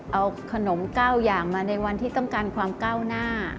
เอาขนม๙อย่างมาในวันที่ต้องการความก้าวหน้า